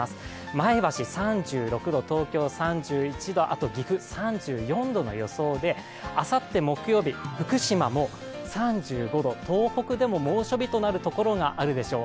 前橋３６度、東京３１度、あと岐阜、３４度の予想であさって木曜日福島も３５度、東北でも猛暑日となるところがあるでしょう。